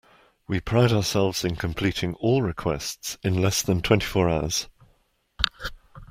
We pride ourselves in completing all requests in less than twenty four hours.